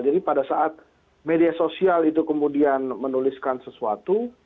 jadi pada saat media sosial itu kemudian menuliskan sesuatu